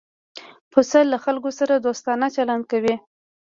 پسه له خلکو سره دوستانه چلند کوي.